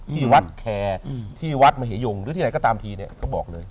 ที่วัดแคร์ที่วัดมเหยงหรือที่ไหนก็ตามทีเนี่ยก็บอกเลย